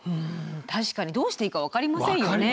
確かにどうしていいか分かりませんよね。